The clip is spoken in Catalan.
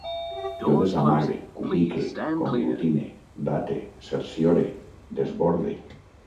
Jo desamague, cubique, conglutine, date, cerciore, desborde